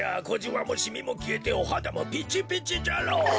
こじわもシミもきえておはだもピチピチじゃろう。